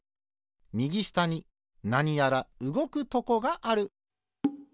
みぎしたになにやらうごくとこがある。